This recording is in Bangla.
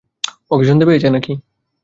ও কি শুনতে পেয়েছে নাকি?